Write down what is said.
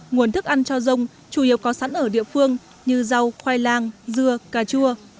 nguồn thức ăn cho dông chủ yếu có sẵn ở địa phương như rau khoai lang dưa cà chua